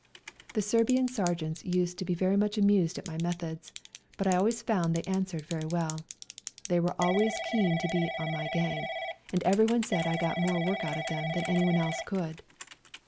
The Serbian ser geants used to be very much amused at my methods, but I always found they answered very well. They were always keen to be on my gang, and everyone said I got more work out of them than anyone else could.